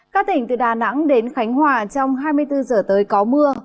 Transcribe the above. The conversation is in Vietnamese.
các tỉnh từ đà nẵng đến khánh hòa trong hai mươi bốn giờ tới có mưa